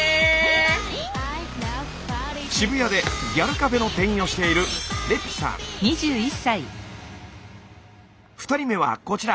渋谷でギャルカフェの店員をしている２人目はこちら。